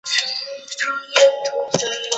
樊陵人。